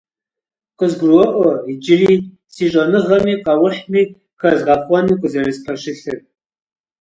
КъызгуроӀуэ иджыри си щӀэныгъэми къэухьми хэзгъэхъуэну къызэрыспэщылъыр.